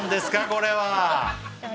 これは。